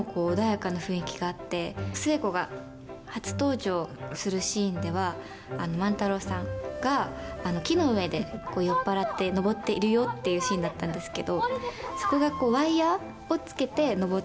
寿恵子が初登場するシーンでは万太郎さんが木の上で酔っ払って登っているよっていうシーンだったんですけど。